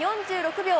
４６秒